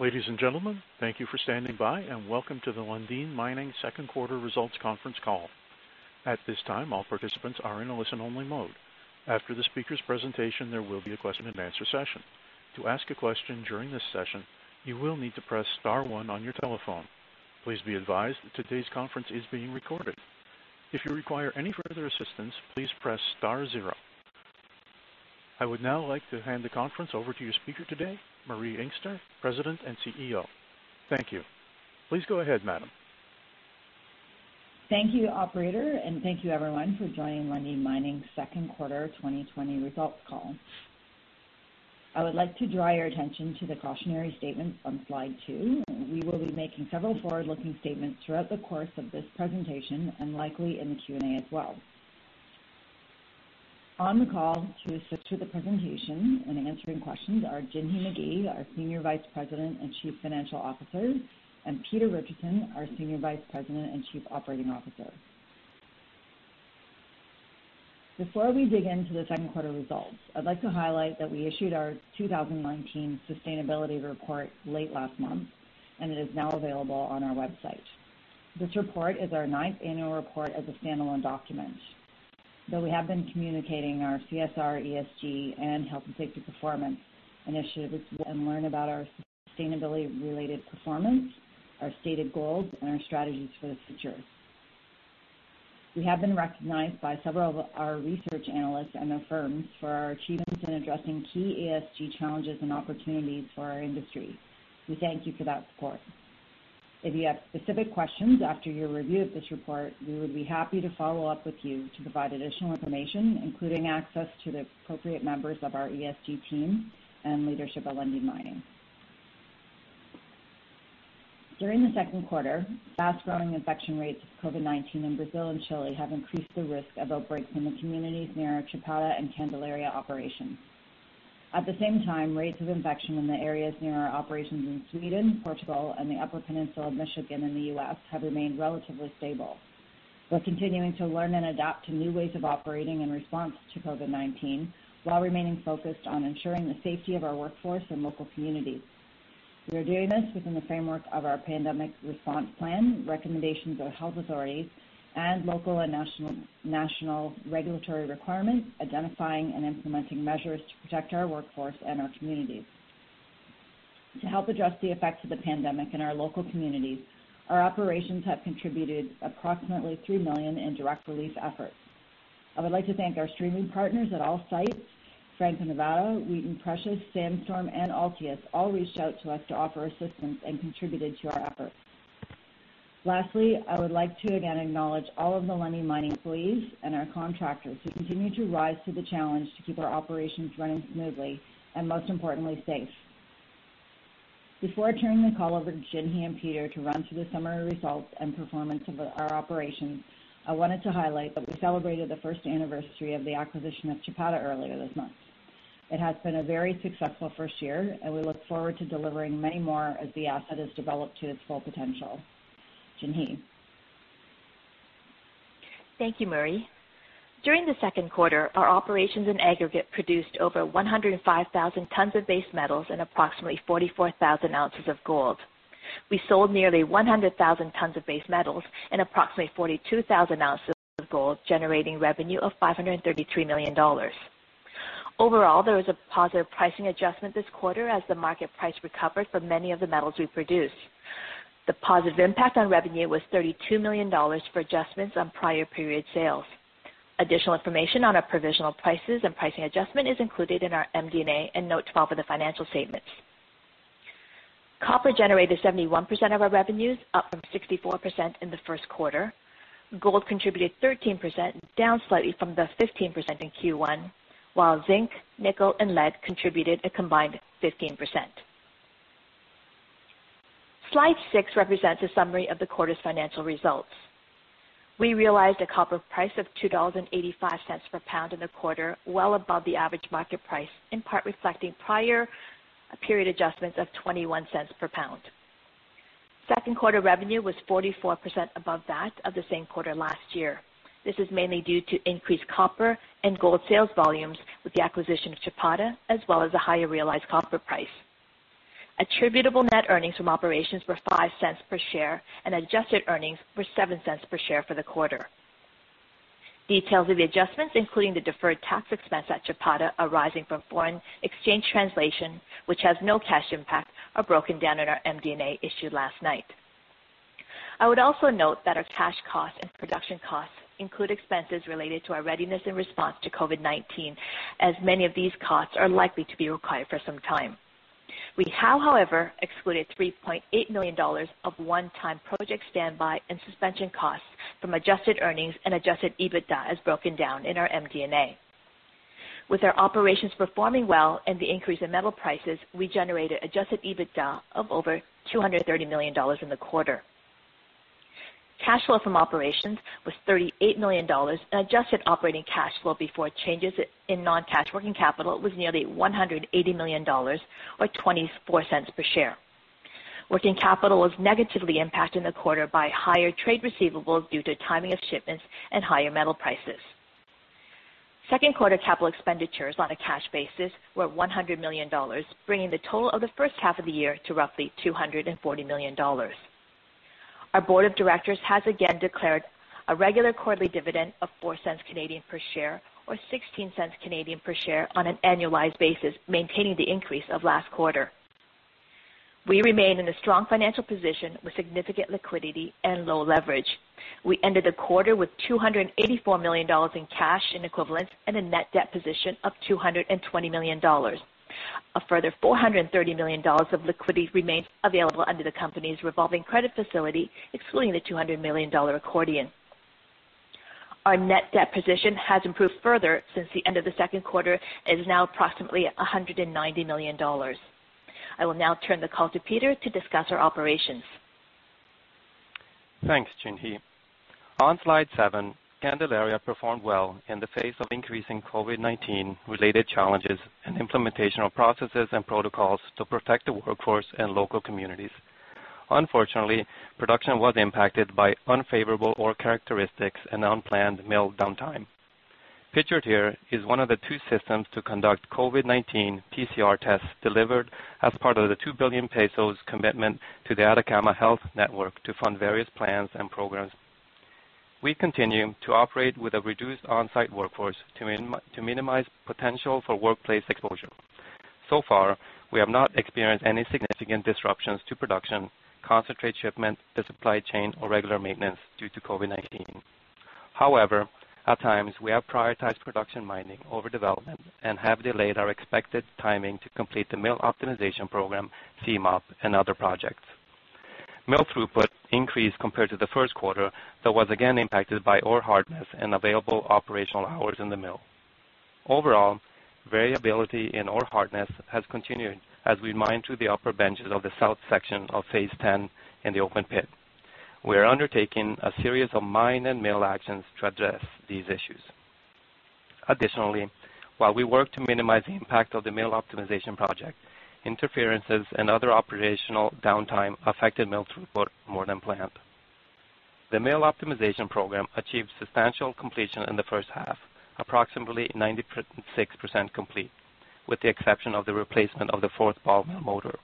Ladies and gentlemen, thank you for standing by and welcome to the Lundin Mining Second Quarter Results Conference call. At this time, all participants are in a listen-only mode. After the speaker's presentation, there will be a question-and-answer session. To ask a question during this session, you will need to press star one on your telephone. Please be advised that today's conference is being recorded. If you require any further assistance, please press star zero. I would now like to hand the conference over to your speaker today, Marie Inkster, President and CEO. Thank you. Please go ahead, Madam. Thank you, Operator, and thank you, everyone, for joining Lundin Mining Second Quarter 2020 Results Call. I would like to draw your attention to the cautionary statement on slide two. We will be making several forward-looking statements throughout the course of this presentation and likely in the Q&A as well. On the call to assist with the presentation and answering questions are Jinhee Magie, our Senior Vice President and Chief Financial Officer, and Peter Richardson, our Senior Vice President and Chief Operating Officer. Before we dig into the Second Quarter results, I'd like to highlight that we issued our 2019 Sustainability Report late last month, and it is now available on our website. This report is our ninth annual report as a standalone document. Though we have been communicating our CSR, ESG, and health and safety performance initiatives, and learn about our sustainability-related performance, our stated goals, and our strategies for the future. We have been recognized by several of our research analysts and their firms for our achievements in addressing key ESG challenges and opportunities for our industry. We thank you for that support. If you have specific questions after your review of this report, we would be happy to follow up with you to provide additional information, including access to the appropriate members of our ESG team and leadership at Lundin Mining. During the Second Quarter, fast-growing infection rates of COVID-19 in Brazil and Chile have increased the risk of outbreaks in the communities near our Chapada and Candelaria operations. At the same time, rates of infection in the areas near our operations in Sweden, Portugal, and the Upper Peninsula of Michigan in the U.S. have remained relatively stable. We're continuing to learn and adapt to new ways of operating in response to COVID-19 while remaining focused on ensuring the safety of our workforce and local communities. We are doing this within the framework of our pandemic response plan, recommendations of health authorities, and local and national regulatory requirements, identifying and implementing measures to protect our workforce and our communities. To help address the effects of the pandemic in our local communities, our operations have contributed approximately $3 million in direct relief efforts. I would like to thank our streaming partners at all sites: Franco-Nevada, Wheaton Precious Metals, Sandstorm Gold, and Altius, all reached out to us to offer assistance and contributed to our efforts. Lastly, I would like to again acknowledge all of the Lundin Mining employees and our contractors who continue to rise to the challenge to keep our operations running smoothly and, most importantly, safe. Before turning the call over to Jinhee and Peter to run through the summary results and performance of our operations, I wanted to highlight that we celebrated the first anniversary of the acquisition of Chapada earlier this month. It has been a very successful first year, and we look forward to delivering many more as the asset is developed to its full potential. Jinhee. Thank you, Marie. During the Second Quarter, our operations in aggregate produced over 105,000 tons of base metals and approximately 44,000 ounces of gold. We sold nearly 100,000 tons of base metals and approximately 42,000 ounces of gold, generating revenue of $533 million. Overall, there was a positive pricing adjustment this quarter as the market price recovered for many of the metals we produced. The positive impact on revenue was $32 million for adjustments on prior period sales. Additional information on our provisional prices and pricing adjustment is included in our MD&A and Note 12 of the financial statements. Copper generated 71% of our revenues, up from 64% in the First Quarter. Gold contributed 13%, down slightly from the 15% in Q1, while zinc, nickel, and lead contributed a combined 15%. Slide six represents a summary of the quarter's financial results. We realized a copper price of $2.85 per pound in the quarter, well above the average market price, in part reflecting prior period adjustments of $0.21 per pound. Second quarter revenue was 44% above that of the same quarter last year. This is mainly due to increased copper and gold sales volumes with the acquisition of Chapada, as well as a higher realized copper price. Attributable net earnings from operations were $0.05 per share, and adjusted earnings were $0.07 per share for the quarter. Details of the adjustments, including the deferred tax expense at Chapada arising from foreign exchange translation, which has no cash impact, are broken down in our MD&A issued last night. I would also note that our cash costs and production costs include expenses related to our readiness and response to COVID-19, as many of these costs are likely to be required for some time. We have, however, excluded $3.8 million of one-time project standby and suspension costs from adjusted earnings and adjusted EBITDA as broken down in our MD&A. With our operations performing well and the increase in metal prices, we generated adjusted EBITDA of over $230 million in the quarter. Cash flow from operations was $38 million, and adjusted operating cash flow before changes in non-cash working capital was nearly $180 million, or $0.24 per share. Working capital was negatively impacted in the quarter by higher trade receivables due to timing of shipments and higher metal prices. Second quarter capital expenditures on a cash basis were $100 million, bringing the total of the First Half of the year to roughly $240 million. Our Board of Directors has again declared a regular quarterly dividend of 0.04 per share, or 0.16 per share on an annualized basis, maintaining the increase of last quarter. We remain in a strong financial position with significant liquidity and low leverage. We ended the quarter with $284 million in cash and equivalents and a net debt position of $220 million. A further $430 million of liquidity remains available under the company's revolving credit facility, excluding the $200 million accordion. Our net debt position has improved further since the end of the Second Quarter and is now approximately $190 million. I will now turn the call to Peter to discuss our operations. Thanks, Jinhee. On slide seven, Candelaria performed well in the face of increasing COVID-19-related challenges and implementation of processes and protocols to protect the workforce and local communities. Unfortunately, production was impacted by unfavorable ore characteristics and unplanned mill downtime. Pictured here is one of the two systems to conduct COVID-19 PCR tests delivered as part of the $2 billion commitment to the Atacama Health Network to fund various plans and programs. We continue to operate with a reduced on-site workforce to minimize potential for workplace exposure. So far, we have not experienced any significant disruptions to production, concentrate shipment, the supply chain, or regular maintenance due to COVID-19. However, at times, we have prioritized production mining over development and have delayed our expected timing to complete the mill optimization program, CMOP, and other projects. Mill throughput increased compared to the First Quarter, though was again impacted by ore hardness and available operational hours in the mill. Overall, variability in ore hardness has continued as we mine through the upper benches of the south section of phase XI in the open pit. We are undertaking a series of mine and mill actions to address these issues. Additionally, while we work to minimize the impact of the mill optimization project, interferences and other operational downtime affected mill throughput more than planned. The mill optimization program achieved substantial completion in the first half, approximately 96% complete, with the exception of the replacement of the fourth ball mill motor.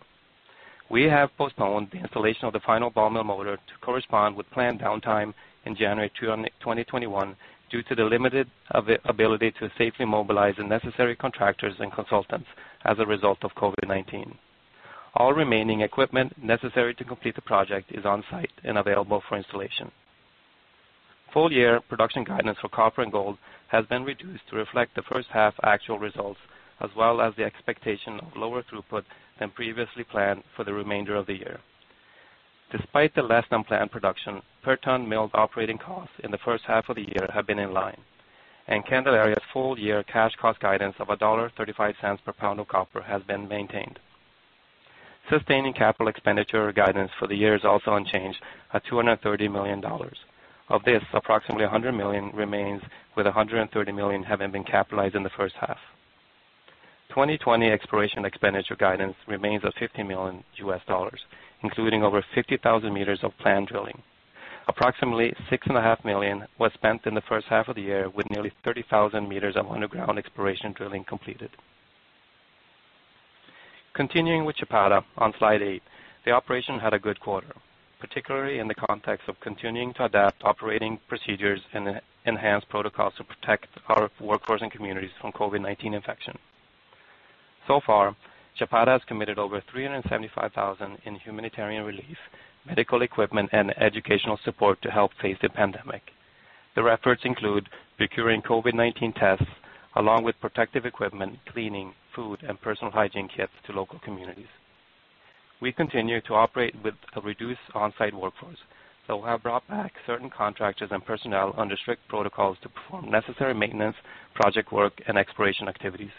We have postponed the installation of the final ball mill motor to correspond with planned downtime in January 2021 due to the limited ability to safely mobilize the necessary contractors and consultants as a result of COVID-19. All remaining equipment necessary to complete the project is on-site and available for installation. Full-year production guidance for copper and gold has been reduced to reflect the First Half actual results, as well as the expectation of lower throughput than previously planned for the remainder of the year. Despite the less-than-planned production, per ton milled operating costs in the First Half of the year have been in line, and Candelaria's full-year cash cost guidance of $1.35 per pound of copper has been maintained. Sustaining capital expenditure guidance for the year is also unchanged at $230 million. Of this, approximately $100 million remains, with $130 million having been capitalized in the First Half. 2020 exploration expenditure guidance remains at $50 million, including over 50,000 meters of planned drilling. Approximately $6.5 million was spent in the First Half of the year, with nearly 30,000 meters of underground exploration drilling completed. Continuing with Chapada on slide eight, the operation had a good quarter, particularly in the context of continuing to adapt operating procedures and enhance protocols to protect our workforce and communities from COVID-19 infection. So far, Chapada has committed over $375,000 in humanitarian relief, medical equipment, and educational support to help face the pandemic. Their efforts include procuring COVID-19 tests, along with protective equipment, cleaning, food, and personal hygiene kits to local communities. We continue to operate with a reduced on-site workforce, though have brought back certain contractors and personnel under strict protocols to perform necessary maintenance, project work, and exploration activities.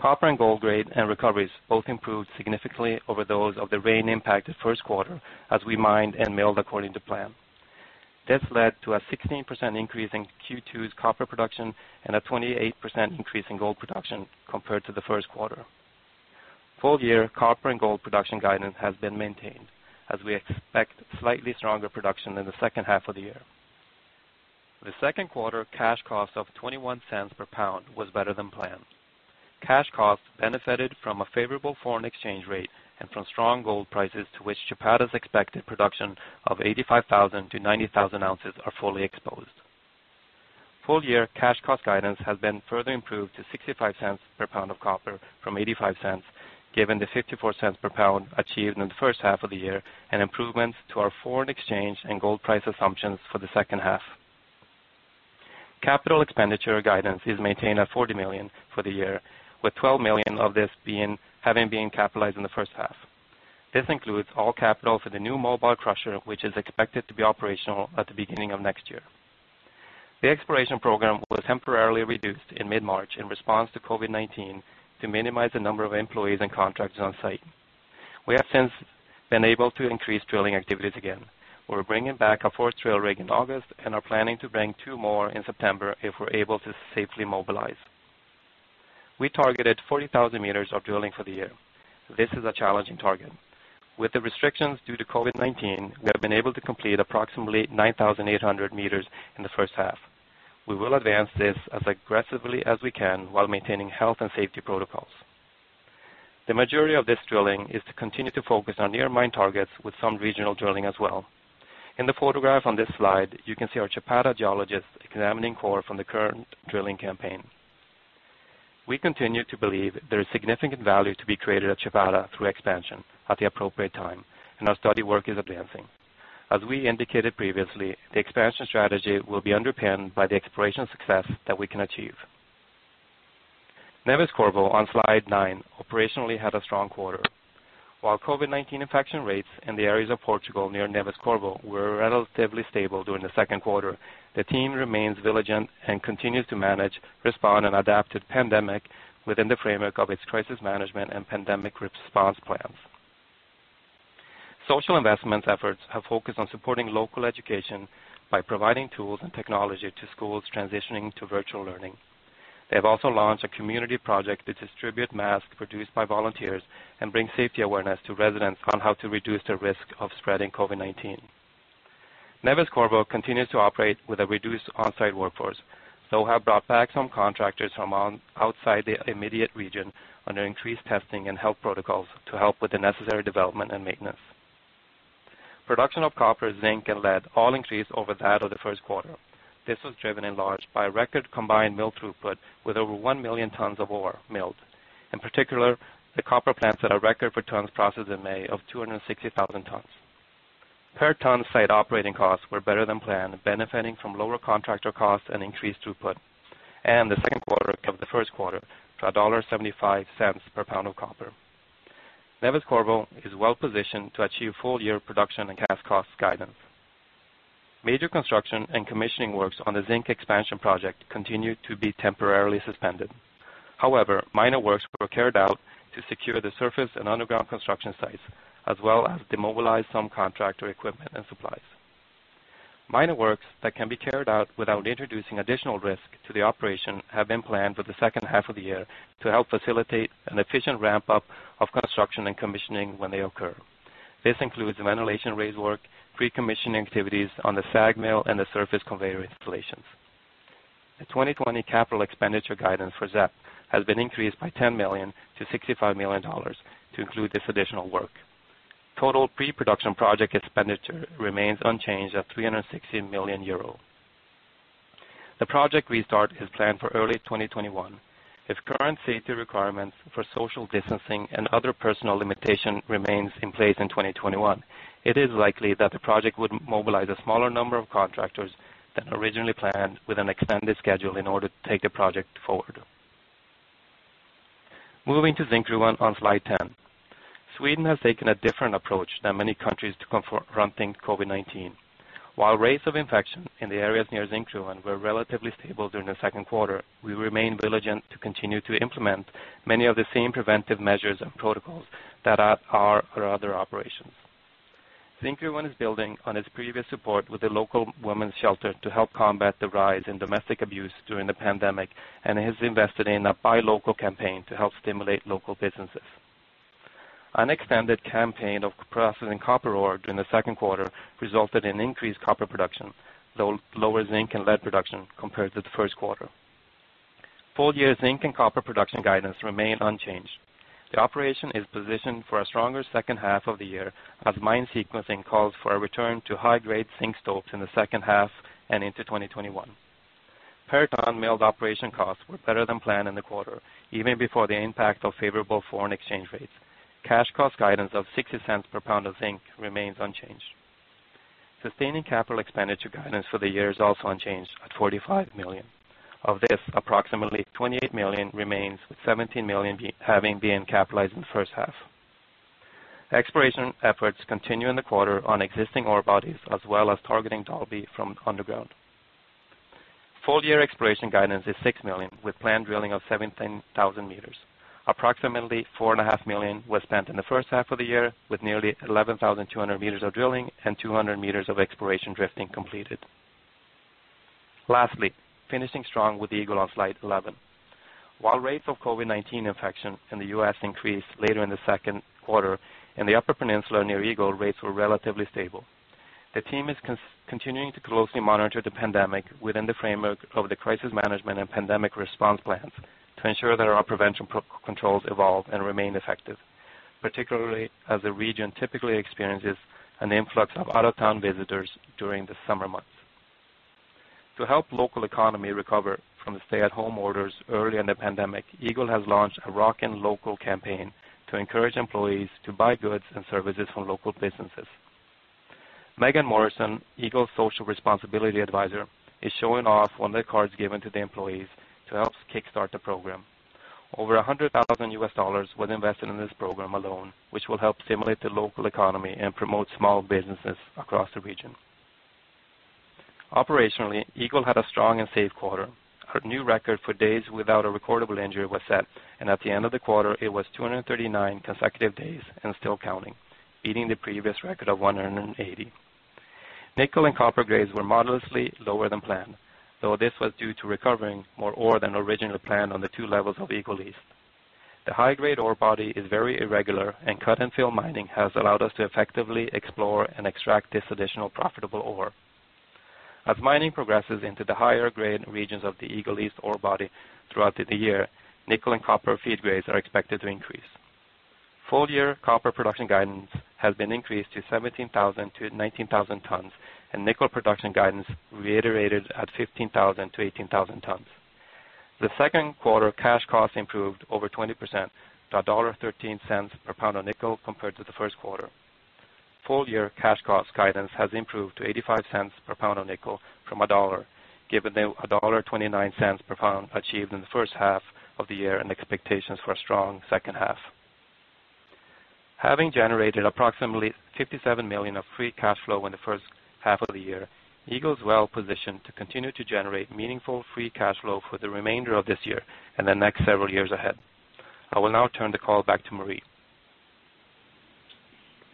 Copper and gold grade and recoveries both improved significantly over those of the rain-impacted First Quarter as we mined and milled according to plan. This led to a 16% increase in Q2's copper production and a 28% increase in gold production compared to the First Quarter. Full-year copper and gold production guidance has been maintained, as we expect slightly stronger production in the Second Half of the year. The Second Quarter cash cost of $0.21 per pound was better than planned. Cash cost benefited from a favorable foreign exchange rate and from strong gold prices, to which Chapada's expected production of 85,000-90,000 ounces are fully exposed. Full-year cash cost guidance has been further improved to $0.65 per pound of copper from $0.85, given the $0.54 per pound achieved in the First Half of the year and improvements to our foreign exchange and gold price assumptions for the Second Half. Capital expenditure guidance is maintained at $40 million for the year, with $12 million of this having been capitalized in the First Half. This includes all capital for the new mobile crusher, which is expected to be operational at the beginning of next year. The exploration program was temporarily reduced in mid-March in response to COVID-19 to minimize the number of employees and contractors on-site. We have since been able to increase drilling activities again. We're bringing back our fourth drill rig in August and are planning to bring two more in September if we're able to safely mobilize. We targeted 40,000 meters of drilling for the year. This is a challenging target. With the restrictions due to COVID-19, we have been able to complete approximately 9,800 meters in the First Half. We will advance this as aggressively as we can while maintaining health and safety protocols. The majority of this drilling is to continue to focus on near-mine targets with some regional drilling as well. In the photograph on this slide, you can see our Chapada geologists examining core from the current drilling campaign. We continue to believe there is significant value to be created at Chapada through expansion at the appropriate time, and our study work is advancing. As we indicated previously, the expansion strategy will be underpinned by the exploration success that we can achieve. Neves-Corvo on slide nine operationally had a strong quarter. While COVID-19 infection rates in the areas of Portugal near Neves-Corvo were relatively stable during the Second Quarter, the team remains diligent and continues to manage, respond, and adapt to the pandemic within the framework of its crisis management and pandemic response plans. Social investment efforts have focused on supporting local education by providing tools and technology to schools transitioning to virtual learning. They have also launched a community project to distribute masks produced by volunteers and bring safety awareness to residents on how to reduce the risk of spreading COVID-19. Neves-Corvo continues to operate with a reduced on-site workforce, though have brought back some contractors from outside the immediate region under increased testing and health protocols to help with the necessary development and maintenance. Production of copper, zinc, and lead all increased over that of the First Quarter. This was driven in large by record combined mill throughput with over 1 million tons of ore milled. In particular, the copper plants had a record per ton processed in May of 260,000 tons. Per ton site operating costs were better than planned, benefiting from lower contractor costs and increased throughput. The Second Quarter of the First Quarter to $1.75 per pound of copper. Neves-Corvo is well positioned to achieve full-year production and cash cost guidance. Major construction and commissioning works on the Zinc Expansion Project continue to be temporarily suspended. However, minor works were carried out to secure the surface and underground construction sites, as well as demobilize some contractor equipment and supplies. Minor works that can be carried out without introducing additional risk to the operation have been planned for the Second Half of the year to help facilitate an efficient ramp-up of construction and commissioning when they occur. This includes ventilation racework, pre-commissioning activities on the SAG mill and the surface conveyor installations. The 2020 capital expenditure guidance for ZEP has been increased by $10 million to $65 million to include this additional work. Total pre-production project expenditure remains unchanged at 360 million euro. The project restart is planned for early 2021. If current safety requirements for social distancing and other personal limitations remain in place in 2021, it is likely that the project would mobilize a smaller number of contractors than originally planned with an extended schedule in order to take the project forward. Moving to Zinkgruvan on slide 10, Sweden has taken a different approach than many countries to confronting COVID-19. While rates of infection in the areas near Zinkgruvan were relatively stable during the Second Quarter, we remain diligent to continue to implement many of the same preventive measures and protocols that are at our other operations. Zinkgruvan is building on its previous support with the local women's shelter to help combat the rise in domestic abuse during the pandemic, and it has invested in a buy local campaign to help stimulate local businesses. An extended campaign of processing copper ore during the Second Quarter resulted in increased copper production, lower zinc and lead production compared to the First Quarter. Full-year zinc and copper production guidance remain unchanged. The operation is positioned for a stronger Second Half of the year as mine sequencing calls for a return to high-grade zinc stokes in the Second Half and into 2021. Per ton milled operation costs were better than planned in the quarter, even before the impact of favorable foreign exchange rates. Cash cost guidance of $0.60 per pound of zinc remains unchanged. Sustaining capital expenditure guidance for the year is also unchanged at $45 million. Of this, approximately $28 million remains, with $17 million having been capitalized in the First Half. Exploration efforts continue in the quarter on existing ore bodies, as well as targeting Dalby from underground. Full-year exploration guidance is $6 million, with planned drilling of 17,000 meters. Approximately $4.5 million was spent in the First Half of the year, with nearly 11,200 meters of drilling and 200 meters of exploration drifting completed. Lastly, finishing strong with Eagle on slide 11. While rates of COVID-19 infection in the U.S. increased later in the Second Quarter, in the Upper Peninsula near Eagle, rates were relatively stable. The team is continuing to closely monitor the pandemic within the framework of the crisis management and pandemic response plans to ensure that our prevention controls evolve and remain effective, particularly as the region typically experiences an influx of out-of-town visitors during the summer months. To help the local economy recover from the stay-at-home orders early in the pandemic, Eagle has launched a Rockin Local campaign to encourage employees to buy goods and services from local businesses. Megan Morrison, Eagle's social responsibility advisor, is showing off one of the cards given to the employees to help kickstart the program. Over $100,000 was invested in this program alone, which will help stimulate the local economy and promote small businesses across the region. Operationally, Eagle had a strong and safe quarter. A new record for days without a recordable injury was set, and at the end of the quarter, it was 239 consecutive days and still counting, beating the previous record of 180. Nickel and copper grades were modestly lower than planned, though this was due to recovering more ore than originally planned on the two levels of Eagle East. The high-grade ore body is very irregular, and cut-and-fill mining has allowed us to effectively explore and extract this additional profitable ore. As mining progresses into the higher-grade regions of the Eagle East ore body throughout the year, nickel and copper feed grades are expected to increase. Full-year copper production guidance has been increased to 17,000-19,000 tons, and nickel production guidance reiterated at 15,000-18,000 tons. The Second Quarter cash cost improved over 20% to $1.13 per pound of nickel compared to the First Quarter. Full-year cash cost guidance has improved to $0.85 per pound of nickel from $1, given the $1.29 per pound achieved in the First Half of the year and expectations for a strong Second Half. Having generated approximately $57 million of free cash flow in the First Half of the year, Eagle is well positioned to continue to generate meaningful free cash flow for the remainder of this year and the next several years ahead. I will now turn the call back to Marie.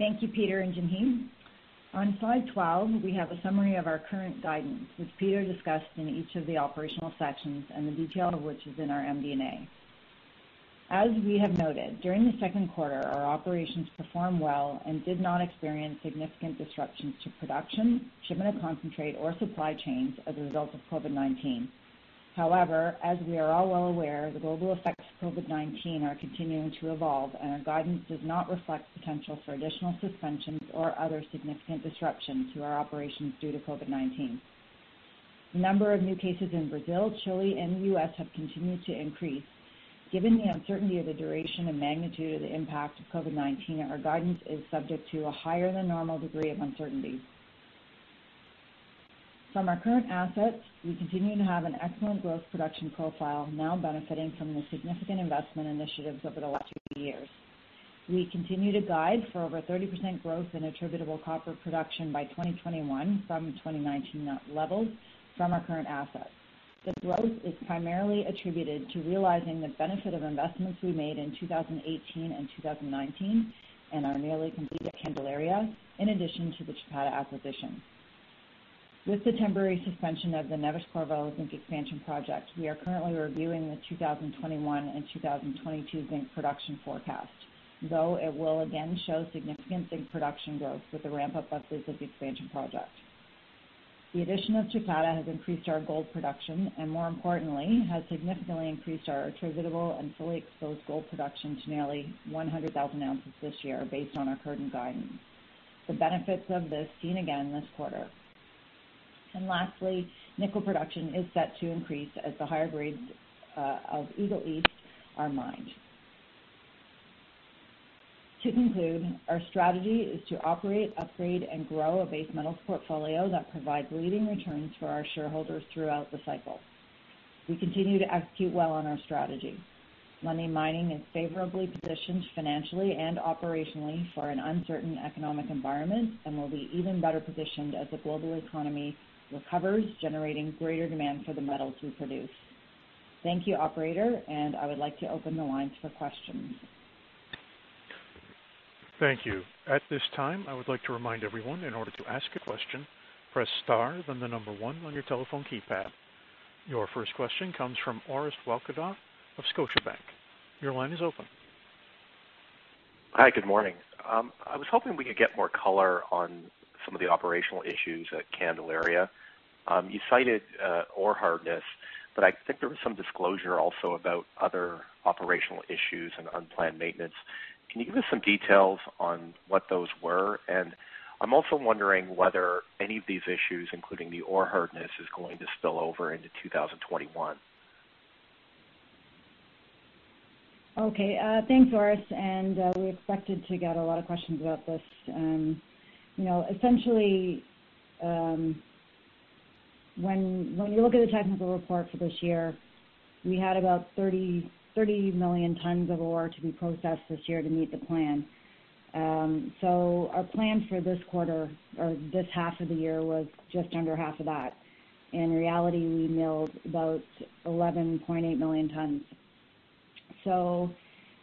Thank you, Peter and Jinhee. On slide 12, we have a summary of our current guidance, which Peter discussed in each of the operational sections, and the detail of which is in our MD&A. As we have noted, during the Second Quarter, our operations performed well and did not experience significant disruptions to production, shipment of concentrate, or supply chains as a result of COVID-19. However, as we are all well aware, the global effects of COVID-19 are continuing to evolve, and our guidance does not reflect potential for additional suspensions or other significant disruptions to our operations due to COVID-19. The number of new cases in Brazil, Chile, and the U.S. have continued to increase. Given the uncertainty of the duration and magnitude of the impact of COVID-19, our guidance is subject to a higher than normal degree of uncertainty. From our current assets, we continue to have an excellent growth production profile, now benefiting from the significant investment initiatives over the last few years. We continue to guide for over 30% growth in attributable copper production by 2021 from 2019 levels from our current assets. The growth is primarily attributed to realizing the benefit of investments we made in 2018 and 2019 and our nearly complete Candelaria, in addition to the Chapada acquisition. With the temporary suspension of the Neves-Corvo zinc expansion project, we are currently reviewing the 2021 and 2022 zinc production forecast, though it will again show significant zinc production growth with the ramp-up of the Zinc Expansion Project. The addition of Chapada has increased our gold production and, more importantly, has significantly increased our attributable and fully exposed gold production to nearly 100,000 ounces this year, based on our current guidance. The benefits of this seen again this quarter. Lastly, nickel production is set to increase as the higher grades of Eagle East are mined. To conclude, our strategy is to operate, upgrade, and grow a base metals portfolio that provides leading returns for our shareholders throughout the cycle. We continue to execute well on our strategy. Lundin Mining is favorably positioned financially and operationally for an uncertain economic environment and will be even better positioned as the global economy recovers, generating greater demand for the metals we produce. Thank you, operator, and I would like to open the lines for questions. Thank you. At this time, I would like to remind everyone in order to ask a question, press star, then the number one on your telephone keypad. Your first question comes from Orest Wowkodaw of Scotiabank. Your line is open. Hi, good morning. I was hoping we could get more color on some of the operational issues at Candelaria. You cited ore hardness, but I think there was some disclosure also about other operational issues and unplanned maintenance. Can you give us some details on what those were? I am also wondering whether any of these issues, including the ore hardness, is going to spill over into 2021. Okay. Thanks, Orest. We expected to get a lot of questions about this. Essentially, when you look at the technical report for this year, we had about 30 million tons of ore to be processed this year to meet the plan. Our plan for this quarter or this half of the year was just under half of that. In reality, we milled about 11.8 million tons.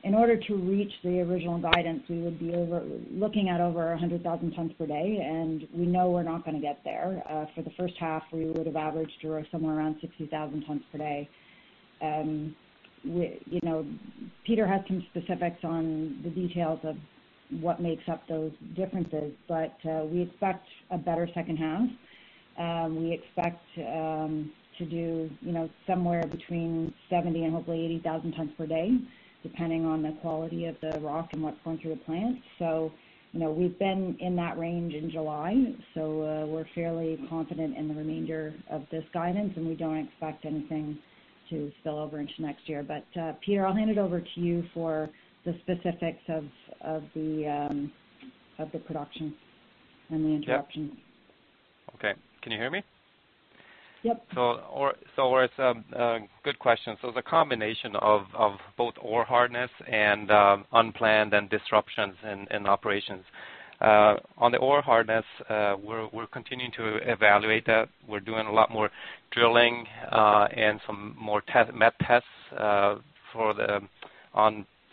In order to reach the original guidance, we would be looking at over 100,000 tons per day. We know we're not going to get there. For the First Half, we would have averaged somewhere around 60,000 tons per day. Peter has some specifics on the details of what makes up those differences, but we expect a better Second Half. We expect to do somewhere between 70,000 and hopefully 80,000 tons per day, depending on the quality of the rock and what's going through the plant. We've been in that range in July, so we're fairly confident in the remainder of this guidance, and we don't expect anything to spill over into next year. Peter, I'll hand it over to you for the specifics of the production and the interruptions. Yeah. Okay. Can you hear me? Yep. Orest, good question. It is a combination of both ore hardness and unplanned disruptions in operations. On the ore hardness, we're continuing to evaluate that. We're doing a lot more drilling and some more test met tests,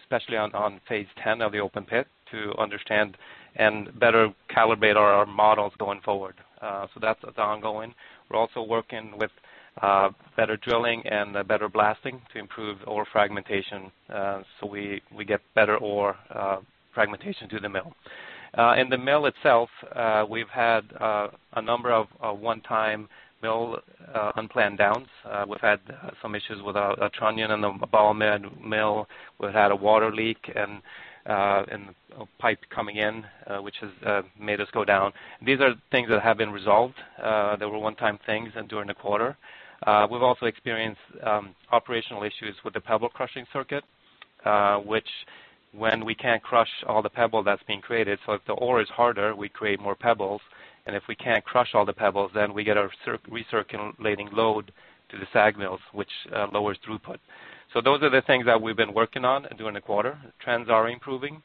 especially on phase 10 of the open pit to understand and better calibrate our models going forward. That is ongoing. We're also working with better drilling and better blasting to improve ore fragmentation so we get better ore fragmentation to the mill. In the mill itself, we've had a number of one-time mill unplanned downs. We've had some issues with a trunnion in the ball mill. We've had a water leak in the pipe coming in, which has made us go down. These are things that have been resolved. They were one-time things during the quarter. We've also experienced operational issues with the pebble crushing circuit, which when we can't crush all the pebble that's being created, so if the ore is harder, we create more pebbles. If we can't crush all the pebbles, then we get a recirculating load to the SAG mills, which lowers throughput. Those are the things that we've been working on during the quarter. Trends are improving.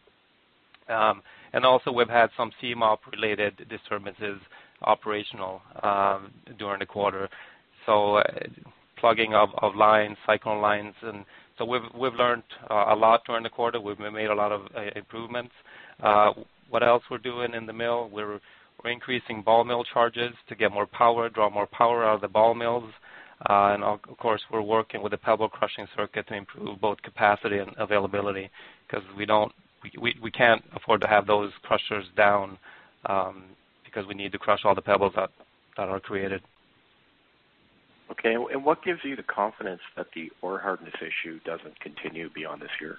Also, we've had some CMOP-related disturbances operational during the quarter, so plugging of lines, cyclone lines. We've learned a lot during the quarter. We've made a lot of improvements. What else we're doing in the mill? We're increasing ball mill charges to get more power, draw more power out of the ball mills. Of course, we're working with the pebble crushing circuit to improve both capacity and availability because we can't afford to have those crushers down because we need to crush all the pebbles that are created. Okay. What gives you the confidence that the ore hardness issue doesn't continue beyond this year?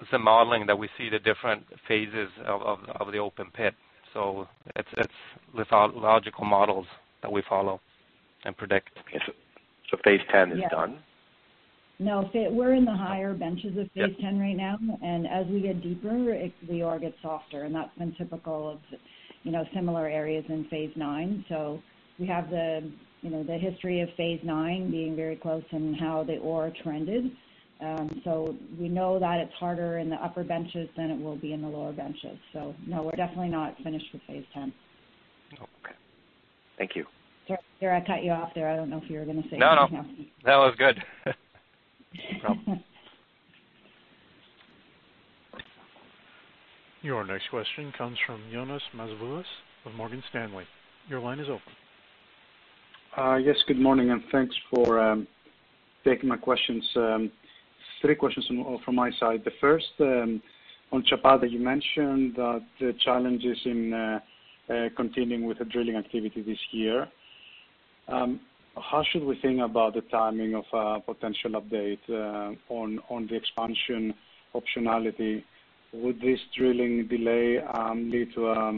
It's the modeling that we see, the different phases of the open pit. It's logical models that we follow and predict. Okay. Phase 10 is done? Yeah. No. We're in the higher benches of phase 10 right now. As we get deeper, the ore gets softer. That's been typical of similar areas in phase IX. We have the history of phase 9 being very close and how the ore trended. We know that it's harder in the upper benches than it will be in the lower benches. No, we're definitely not finished with phase 10. Okay. Thank you. Sorry, I cut you off there. I do not know if you were going to say anything else. No, no. That was good. No problem. Your next question comes from Jonas Mazavillas of Morgan Stanley. Your line is open. Yes. Good morning. Thanks for taking my questions. Three questions from my side. The first, on Chapada, you mentioned the challenges in continuing with the drilling activity this year. How should we think about the timing of a potential update on the expansion optionality? Would this drilling delay lead to a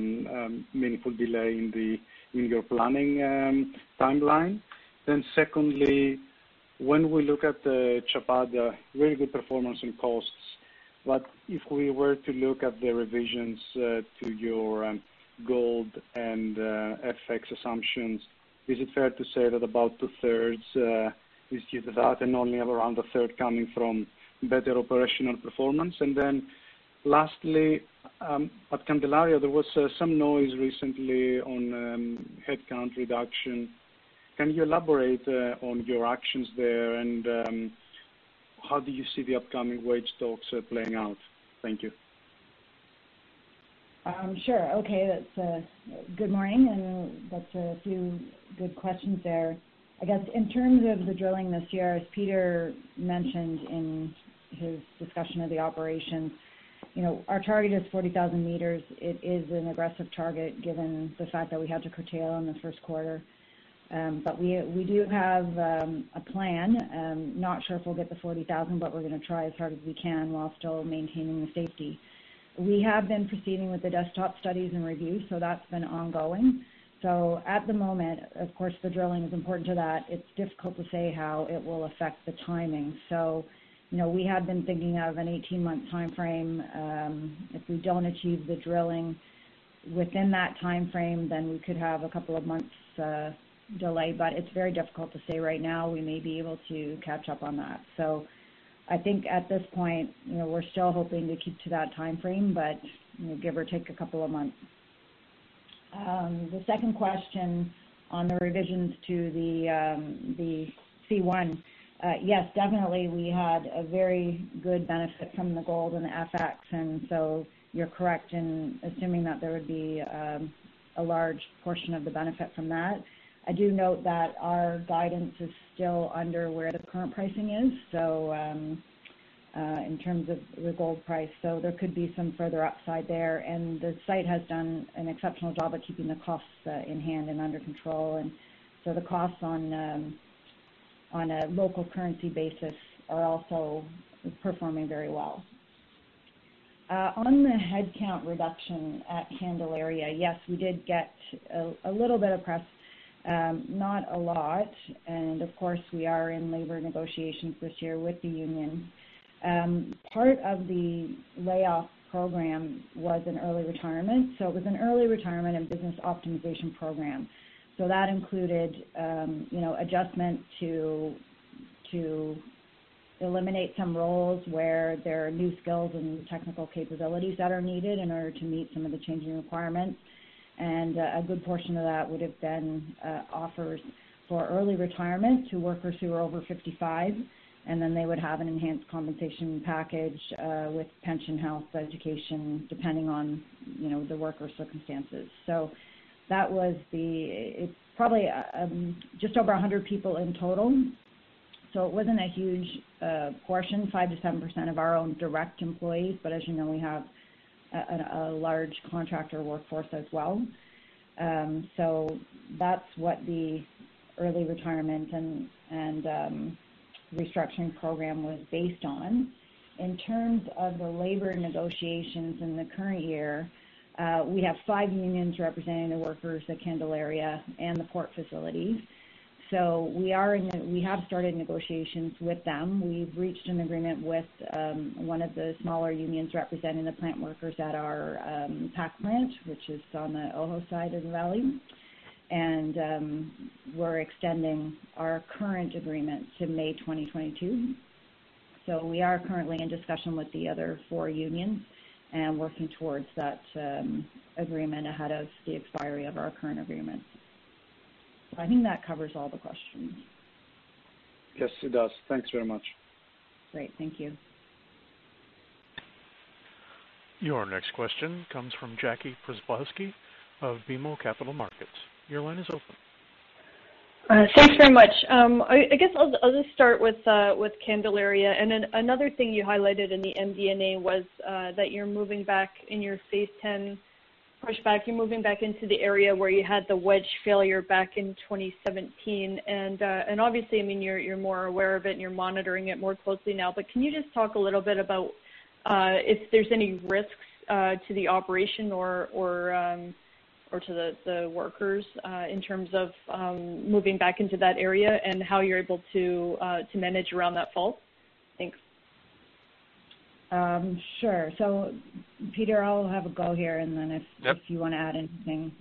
meaningful delay in your planning timeline? Secondly, when we look at the Chapada, very good performance and costs, but if we were to look at the revisions to your gold and FX assumptions, is it fair to say that about two-thirds is used out and only around a third coming from better operational performance? Lastly, at Candelaria, there was some noise recently on headcount reduction. Can you elaborate on your actions there and how do you see the upcoming wage talks playing out? Thank you. Sure. Okay. Good morning. That is a few good questions there. I guess in terms of the drilling this year, as Peter mentioned in his discussion of the operation, our target is 40,000 meters. It is an aggressive target given the fact that we had to curtail in the First Quarter. We do have a plan. Not sure if we'll get the 40,000, but we're going to try as hard as we can while still maintaining the safety. We have been proceeding with the desktop studies and review, so that's been ongoing. At the moment, of course, the drilling is important to that. It's difficult to say how it will affect the timing. We had been thinking of an 18-month time frame. If we don't achieve the drilling within that time frame, then we could have a couple of months' delay. It is very difficult to say right now. We may be able to catch up on that. I think at this point, we're still hoping to keep to that time frame, but give or take a couple of months. The second question on the revisions to the C1, yes, definitely, we had a very good benefit from the gold and the FX. You are correct in assuming that there would be a large portion of the benefit from that. I do note that our guidance is still under where the current pricing is, in terms of the gold price. There could be some further upside there. The site has done an exceptional job of keeping the costs in hand and under control. The costs on a local currency basis are also performing very well. On the headcount reduction at Candelaria, yes, we did get a little bit of press, not a lot. Of course, we are in labor negotiations this year with the union. Part of the layoff program was an early retirement. It was an early retirement and business optimization program. That included adjustment to eliminate some roles where there are new skills and technical capabilities that are needed in order to meet some of the changing requirements. A good portion of that would have been offers for early retirement to workers who are over 55. They would have an enhanced compensation package with pension, health, education, depending on the worker circumstances. That was the, it's probably just over 100 people in total. It was not a huge portion, 5-7% of our own direct employees. As you know, we have a large contractor workforce as well. That is what the early retirement and restructuring program was based on. In terms of the labor negotiations in the current year, we have five unions representing the workers at Candelaria and the port facility. We have started negotiations with them. We've reached an agreement with one of the smaller unions representing the plant workers at our pack plant, which is on the Ojo side of the valley. We're extending our current agreement to May 2022. We are currently in discussion with the other four unions and working towards that agreement ahead of the expiry of our current agreement. I think that covers all the questions. Yes, it does. Thanks very much. Great. Thank you. Your next question comes from Jackie Przybylowski of BMO Capital Markets. Your line is open. Thanks very much. I guess I'll just start with Candelaria. Another thing you highlighted in the MD&A was that you're moving back in your phase X pushback. You're moving back into the area where you had the wedge failure back in 2017. Obviously, I mean, you're more aware of it and you're monitoring it more closely now. Can you just talk a little bit about if there's any risks to the operation or to the workers in terms of moving back into that area and how you're able to manage around that fault? Thanks. Sure. Peter, I'll have a go here, and then if you want to add anything.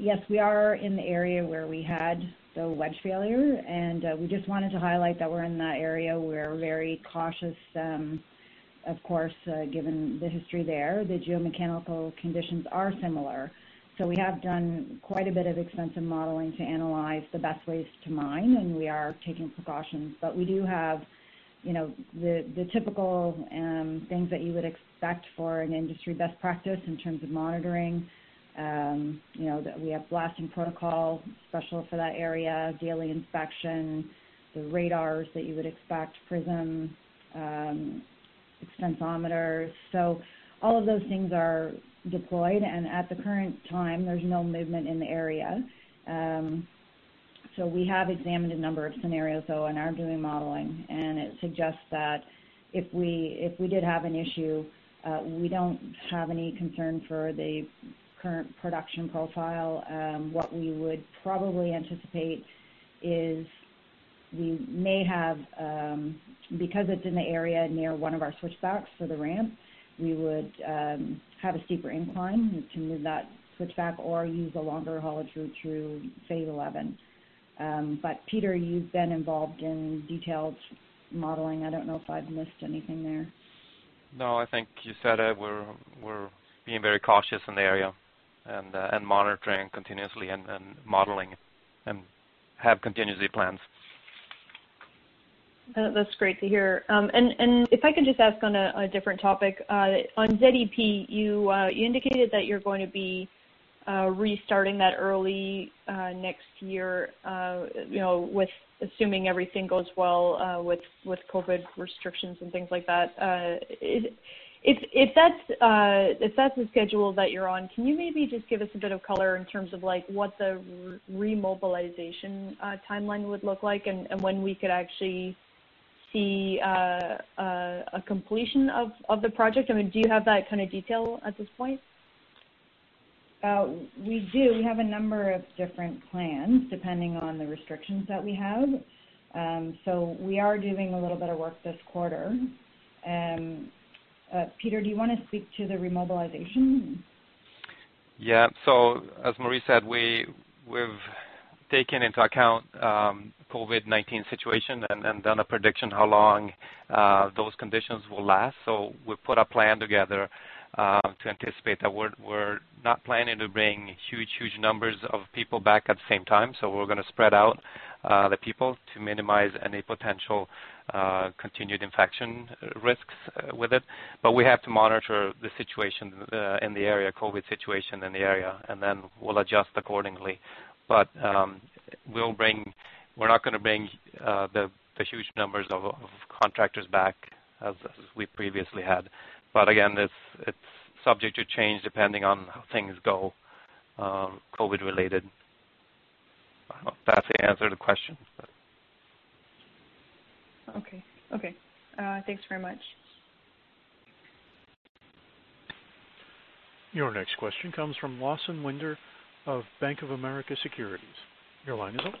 Yes, we are in the area where we had the wedge failure. We just wanted to highlight that we're in that area. We're very cautious, of course, given the history there. The geomechanical conditions are similar. We have done quite a bit of extensive modeling to analyze the best ways to mine, and we are taking precautions. We do have the typical things that you would expect for an industry best practice in terms of monitoring. We have blasting protocol special for that area, daily inspection, the radars that you would expect, prism, extensometers. All of those things are deployed. At the current time, there's no movement in the area. We have examined a number of scenarios, though, and are doing modeling. It suggests that if we did have an issue, we don't have any concern for the current production profile. What we would probably anticipate is we may have, because it's in the area near one of our switchbacks for the ramp, a steeper incline to move that switchback or use a longer hollow through phase XI. Peter, you've been involved in detailed modeling. I don't know if I've missed anything there. No, I think you said it. We're being very cautious in the area and monitoring continuously and modeling and have continuously plans. That's great to hear. If I could just ask on a different topic, on ZEP, you indicated that you're going to be restarting that early next year with assuming everything goes well with COVID-19 restrictions and things like that. If that's the schedule that you're on, can you maybe just give us a bit of color in terms of what the remobilization timeline would look like and when we could actually see a completion of the project? I mean, do you have that kind of detail at this point? We do. We have a number of different plans depending on the restrictions that we have. We are doing a little bit of work this quarter. Peter, do you want to speak to the remobilization? Yeah. As Marie said, we've taken into account the COVID-19 situation and done a prediction how long those conditions will last. We put a plan together to anticipate that we're not planning to bring huge, huge numbers of people back at the same time. We're going to spread out the people to minimize any potential continued infection risks with it. We have to monitor the situation in the area, COVID situation in the area, and then we'll adjust accordingly. We're not going to bring the huge numbers of contractors back as we previously had. Again, it's subject to change depending on how things go, COVID-related. I don't know if that's the answer to the question, but. Okay. Okay. Thanks very much. Your next question comes from Lawson Winder of Bank of America Securities. Your line is open.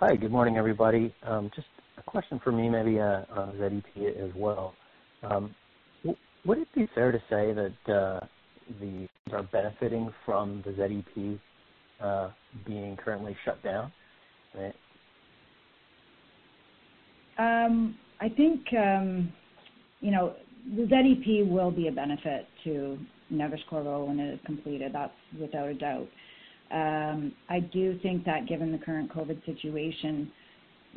Hi. Good morning, everybody. Just a question for me, maybe ZEP as well. Would it be fair to say that they are benefiting from the ZEP being currently shut down? I think the ZEP will be a benefit to Neves-Corvo when it is completed. That's without a doubt. I do think that given the current COVID-19 situation,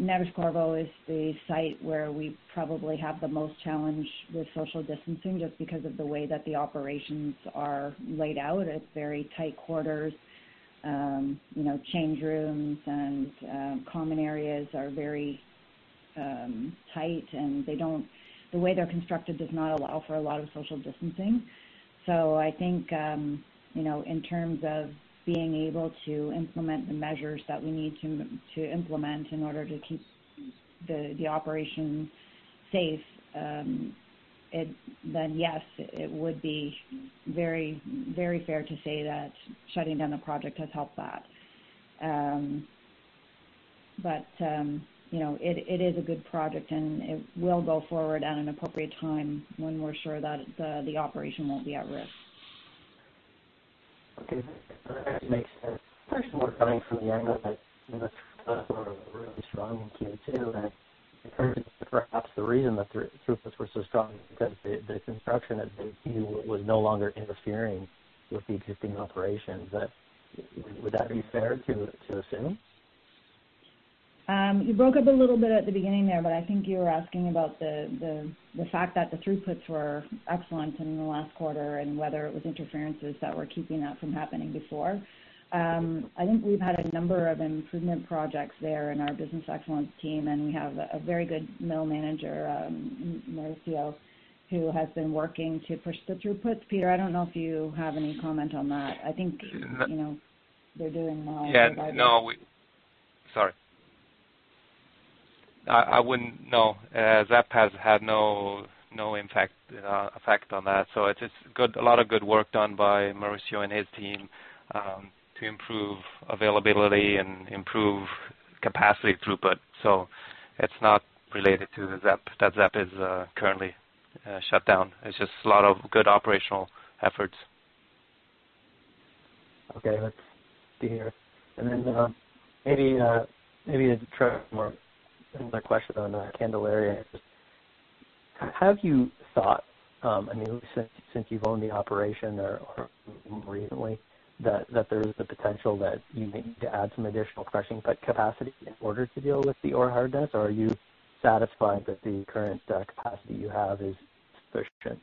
Neves-Corvo is the site where we probably have the most challenge with social distancing just because of the way that the operations are laid out. It's very tight quarters. Change rooms and common areas are very tight. The way they're constructed does not allow for a lot of social distancing. I think in terms of being able to implement the measures that we need to implement in order to keep the operation safe, then yes, it would be very, very fair to say that shutting down the project has helped that. It is a good project, and it will go forward at an appropriate time when we're sure that the operation won't be at risk. Okay. That makes sense. First, we're coming from the angle that Neves-Corvo is really strong in Q2. And perhaps the reason that throughputs were so strong is because the construction at ZEP was no longer interfering with the existing operations. Would that be fair to assume? You broke up a little bit at the beginning there, but I think you were asking about the fact that the throughputs were excellent in the last quarter and whether it was interferences that were keeping that from happening before. I think we've had a number of improvement projects there in our business excellence team. And we have a very good mill manager, Mauricio, who has been working to push the throughputs. Peter, I don't know if you have any comment on that. I think they're doing well. Yeah. No. Sorry. No. ZEP has had no effect on that. It is a lot of good work done by Mauricio and his team to improve availability and improve capacity throughput. It is not related to ZEP that ZEP is currently shut down. It is just a lot of good operational efforts. Okay. That is good to hear. Maybe to touch on another question on Candelaria, have you thought, I mean, since you've owned the operation recently, that there is the potential that you may need to add some additional crushing capacity in order to deal with the ore hardness? Or are you satisfied that the current capacity you have is sufficient?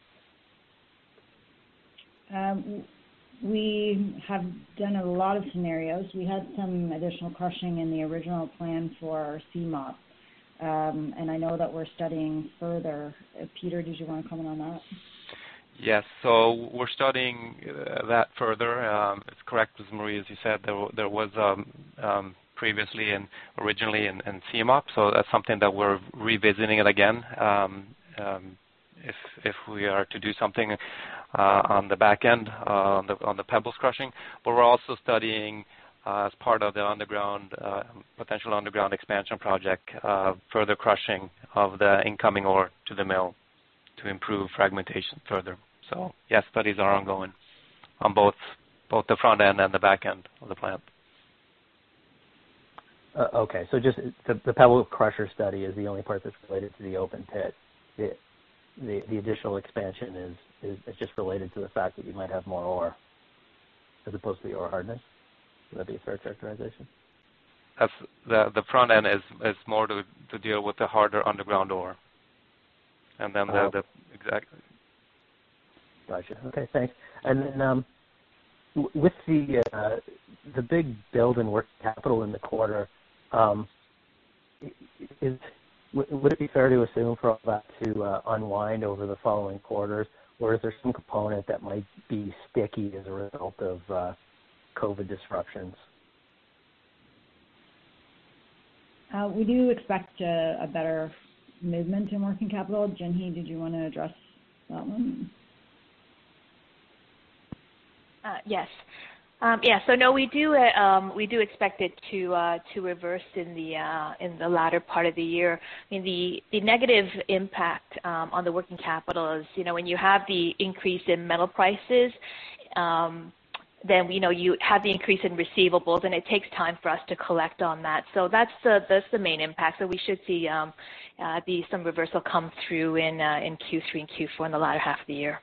We have done a lot of scenarios. We had some additional crushing in the original plan for CMOP. I know that we're studying further. Peter, did you want to comment on that? Yes. We're studying that further. It's correct, as Marie, as you said, there was previously and originally in CMOP. That's something that we're revisiting again if we are to do something on the back end on the pebbles crushing. We're also studying, as part of the potential underground expansion project, further crushing of the incoming ore to the mill to improve fragmentation further. Yes, studies are ongoing on both the front end and the back end of the plant. Okay. Just the pebble crusher study is the only part that's related to the open pit. The additional expansion is just related to the fact that you might have more ore as opposed to the ore hardness. Would that be a fair characterization? The front end is more to deal with the harder underground ore. Exactly. Gotcha. Okay. Thanks. With the big build in working capital in the quarter, would it be fair to assume for all that to unwind over the following quarters? Or is there some component that might be sticky as a result of COVID-19 disruptions? We do expect a better movement in working capital. Jinhee, did you want to address that one? Yes. Yeah. No, we do expect it to reverse in the latter part of the year. I mean, the negative impact on the working capital is when you have the increase in metal prices, then you have the increase in receivables, and it takes time for us to collect on that. That is the main impact. We should see some reversal come through in Q3 and Q4 in the latter half of the year.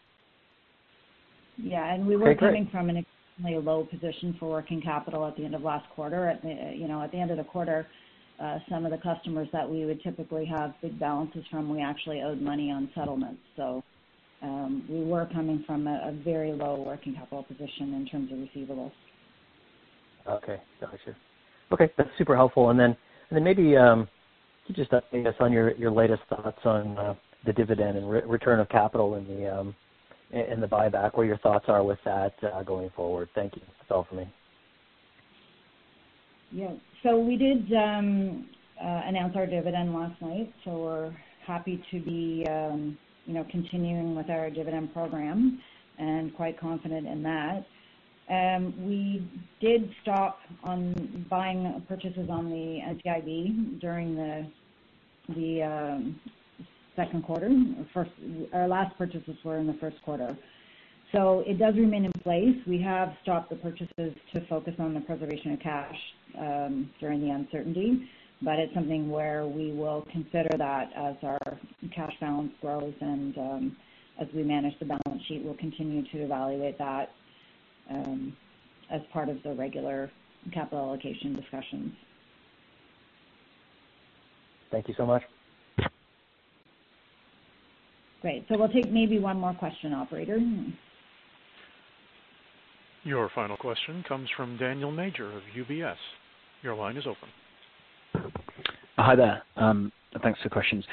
Yeah. We were coming from an extremely low position for working capital at the end of last quarter. At the end of the quarter, some of the customers that we would typically have big balances from, we actually owed money on settlements. We were coming from a very low working capital position in terms of receivables. Okay. Gotcha. Okay. That's super helpful. Maybe just update us on your latest thoughts on the dividend and return of capital and the buyback, what your thoughts are with that going forward. Thank you. That's all for me. Yeah. We did announce our dividend last night. We are happy to be continuing with our dividend program and quite confident in that. We did stop on buying purchases on the NTIV during the Second Quarter. Our last purchases were in the First Quarter. It does remain in place. We have stopped the purchases to focus on the preservation of cash during the uncertainty. It is something where we will consider that as our cash balance grows. As we manage the balance sheet, we will continue to evaluate that as part of the regular capital allocation discussions. Thank you so much. Great. We will take maybe one more question, operator. Your final question comes from Daniel Major of UBS. Your line is open. Hi there. Thanks for the questions.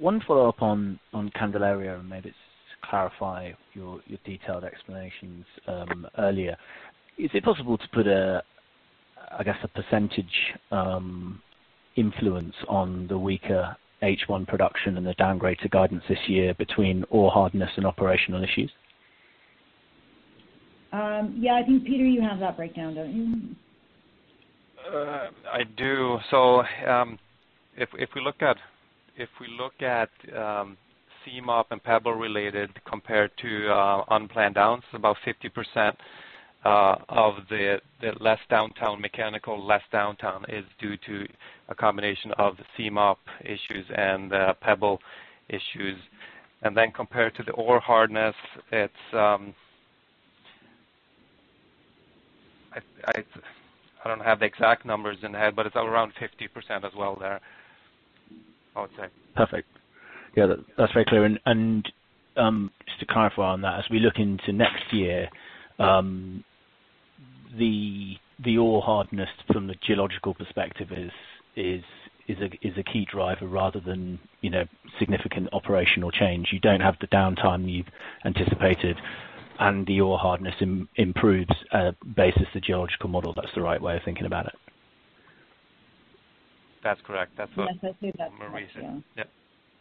One follow-up on Candelaria, and maybe to clarify your detailed explanations earlier. Is it possible to put, I guess, a percentage influence on the weaker H1 production and the downgrade to guidance this year between ore hardness and operational issues? Yeah. I think, Peter, you have that breakdown, don't you? I do. If we look at CMOP and pebble-related compared to unplanned downs, about 50% of the less downtime mechanical, less downtime is due to a combination of CMOP issues and pebble issues. Compared to the ore hardness, I don't have the exact numbers in hand, but it's around 50% as well there, I would say. Perfect. Yeah. That's very clear. Just to clarify on that, as we look into next year, the ore hardness from the geological perspective is a key driver rather than significant operational change. You don't have the downtime you've anticipated. The ore hardness improves basis the geological model. That's the right way of thinking about it. That's correct. That's what Marie said. Yeah.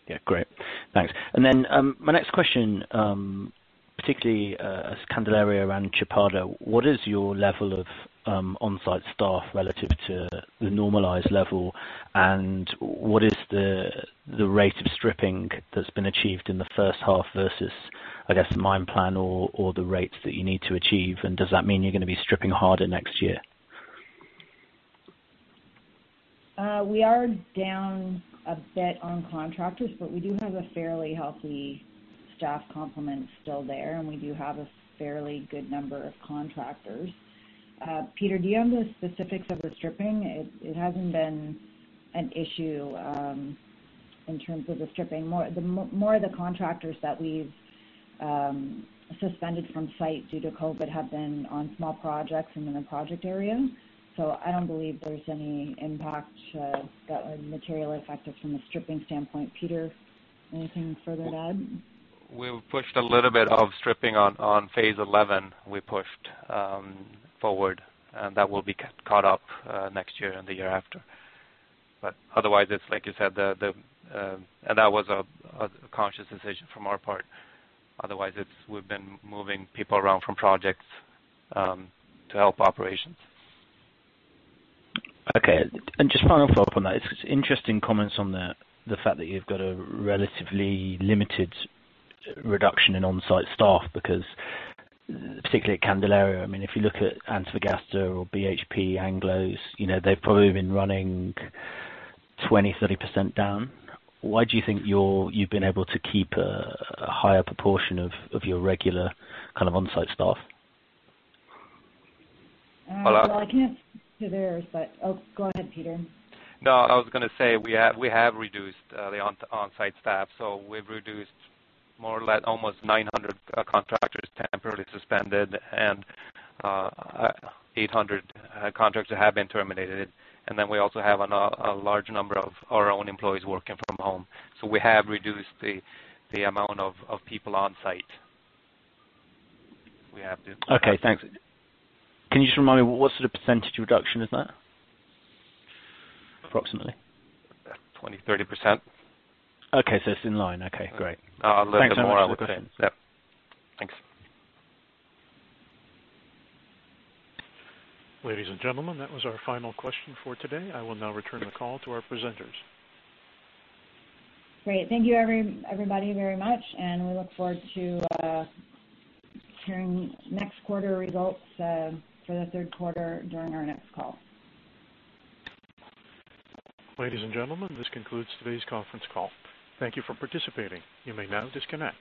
Yeah. Great. Thanks. My next question, particularly Candelaria and Chapada, what is your level of on-site staff relative to the normalized level? What is the rate of stripping that has been achieved in the First Half versus, I guess, the mine plan or the rates that you need to achieve? Does that mean you are going to be stripping harder next year? We are down a bit on contractors, but we do have a fairly healthy staff complement still there. We do have a fairly good number of contractors. Peter, do you have the specifics of the stripping? It has not been an issue in terms of the stripping. More of the contractors that we have suspended from site due to COVID-19 have been on small projects and in the project area. I do not believe there is any impact that is material or effective from a stripping standpoint. Peter, anything further to add? We've pushed a little bit of stripping on phase XI. We pushed forward. That will be caught up next year and the year after. Otherwise, it's like you said, and that was a conscious decision from our part. Otherwise, we've been moving people around from projects to help operations. Okay. Just following up on that, it's interesting comments on the fact that you've got a relatively limited reduction in on-site staff because particularly at Candelaria, I mean, if you look at Antofagasta or BHP, they've probably been running 20-30% down. Why do you think you've been able to keep a higher proportion of your regular kind of on-site staff? I can't speak to theirs, but go ahead, Peter. No, I was going to say we have reduced the on-site staff. We have reduced more or less almost 900 contractors temporarily suspended and 800 contractors have been terminated. We also have a large number of our own employees working from home. We have reduced the amount of people on-site. We have to. Okay. Thanks. Can you just remind me, what sort of percentage reduction is that approximately? 20-30%. Okay. It is in line. Okay. Great. Thanks so much. Thanks for your cooperation. Yeah. Thanks. Ladies and gentlemen, that was our final question for today. I will now return the call to our presenters. Great. Thank you, everybody, very much. We look forward to hearing next quarter results for the third quarter during our next call. Ladies and gentlemen, this concludes today's conference call. Thank you for participating. You may now disconnect.